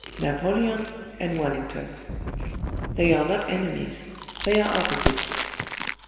Napoleon and Wellington. They are not enemies; they are opposites.